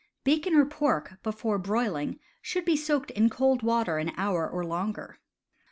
Bacon or pork, before broiling, should be soaked in cold water an hour or longer.